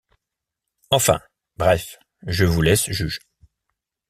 Enfin, bref, je vous laisse juge.